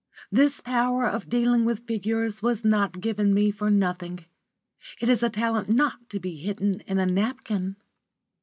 This power of dealing with figures was not given me for nothing. It is a talent not to be hidden in a napkin."